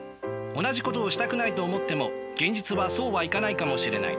同じことをしたくないと思っても現実はそうはいかないかもしれない。